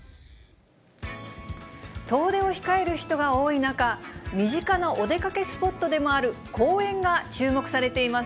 遠出を控える人が多い中、身近なお出かけスポットでもある公園が注目されています。